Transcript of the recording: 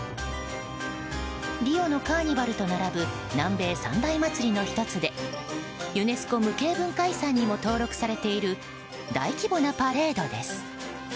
リオのカーニバルと並ぶ南米三大祭りの１つでユネスコ無形文化遺産にも登録されている大規模なパレードです。